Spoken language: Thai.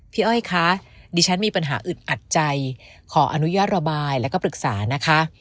อ้อยคะดิฉันมีปัญหาอึดอัดใจขออนุญาตระบายแล้วก็ปรึกษานะคะ